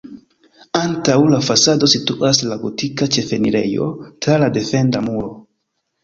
Antaŭ la fasado situas la gotika ĉefenirejo tra la defenda muro.